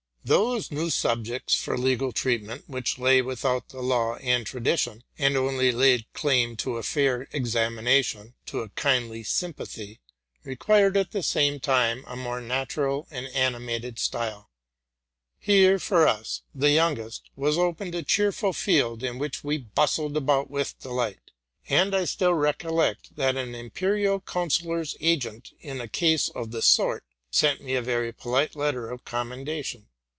Those new subjects for legal treatment, which lay without the law and tradition, and only laid claim to a fair examination, to a kindly sympathy, required, at the same time, a more natural and animated style. Here for us, the youngest, was opened a cheerful field, in which we bustled about with delight ; and I still recollect that an imperial coun cillor's agent, in a case of the sort, sent me a very polite letter of commendation.